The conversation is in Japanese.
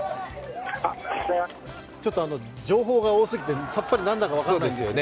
情報が多すぎてさっぱり何が何だか分からないんですね。